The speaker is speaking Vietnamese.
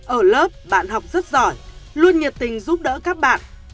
ở lớp bạn học rất giỏi luôn nhiệt tình giúp đỡ các bạn